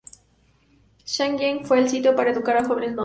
Shang Xiang fue el sitio para educar a jóvenes nobles.